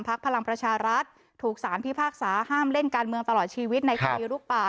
พลังประชารัฐถูกสารพิพากษาห้ามเล่นการเมืองตลอดชีวิตในคดีลุกป่า